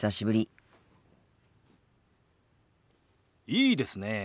いいですねえ。